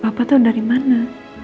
papah tau darimana